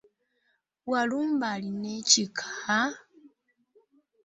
Walumbe alina ekika?